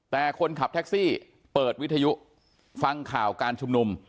แต่คนขับแท็กซี่เปิดวิทยุฟังข่าวการชุมนุม